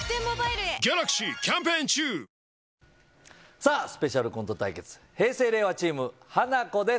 さあ、スペシャルコント対決、平成・令和チーム、ハナコです。